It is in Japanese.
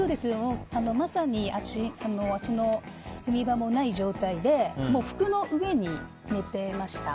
まさに足の踏み場もない状態で服の上に寝てました。